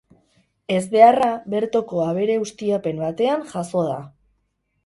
Ezbeharra bertoko abere-ustiapen batean jazo da.